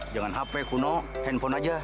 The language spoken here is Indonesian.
jangan hp kuno handphone aja